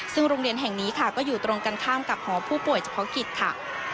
ซึ่งโรงเรียนแห่งนี้ค่ะก็อยู่ตรงกันข้ามกับหอผู้ป่วยเฉพาะกิจค่ะ